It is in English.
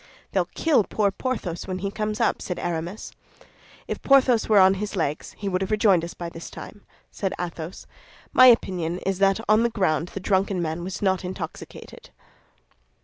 "They'll kill poor Porthos when he comes up," said Aramis. "If Porthos were on his legs, he would have rejoined us by this time," said Athos. "My opinion is that on the ground the drunken man was not intoxicated."